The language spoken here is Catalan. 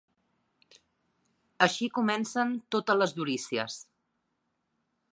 Així comencen totes les durícies.